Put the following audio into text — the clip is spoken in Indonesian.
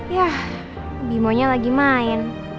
yah bimo nya lagi main